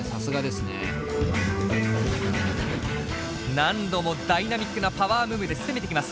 何度もダイナミックなパワームーブで攻めてきます。